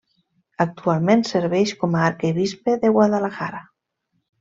Actualment serveix com a arquebisbe de Guadalajara.